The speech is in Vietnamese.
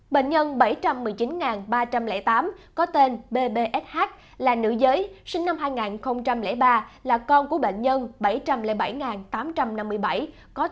bệnh nhân bảy trăm một mươi chín ba trăm linh tám có tên bbsh là nữ giới sinh năm hai nghìn ba là con của bệnh nhân bảy trăm linh bảy tám trăm năm mươi bảy có tên ttb hiện đang ở tại tổ một mươi hai phường trần hương đạo thành phố hà nội